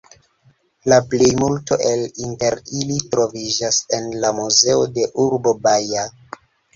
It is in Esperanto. La plejmulto el inter ili troviĝas en la muzeo de urbo Baja.